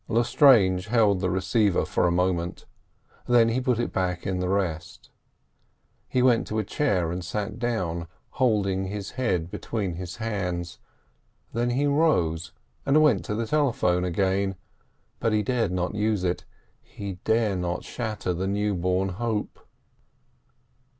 Lestrange held the receiver for a moment, then he put it back in the rest. He went to a chair and sat down, holding his head between his hands, then he rose and went to the telephone again; but he dared not use it, he dare not shatter the newborn hope.